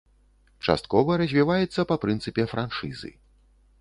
Часткова развіваецца па прынцыпе франшызы.